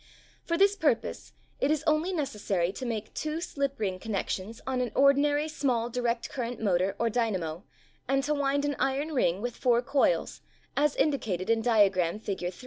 For this purpose it is only necessary to make two slip ring connections on an ordinary small direct current motor or dynamp and to wind an iron ring with four coils as indicated in diagram Fig.